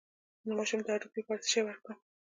د ماشوم د هډوکو لپاره څه شی ورکړم؟